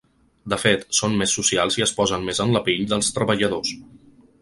De fet, són més socials i es posen més en la pell dels treballadors.